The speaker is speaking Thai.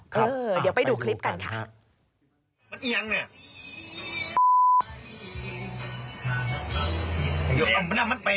อ๋อครับไปดูกันค่ะ